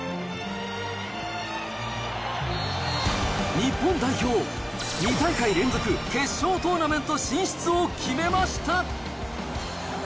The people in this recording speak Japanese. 日本代表、２大会連続決勝トーナメント進出を決めました。